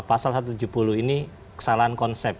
pasal satu ratus tujuh puluh ini kesalahan konsep